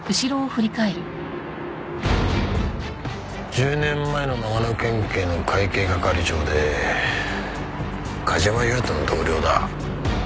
１０年前の長野県警の会計係長で梶間優人の同僚だ。